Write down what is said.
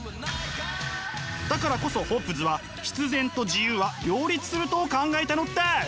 だからこそホッブズは必然と自由は両立すると考えたのです！